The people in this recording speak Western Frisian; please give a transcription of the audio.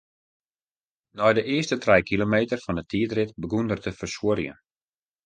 Nei de earste trije kilometer fan 'e tiidrit begûn er te fersuorjen.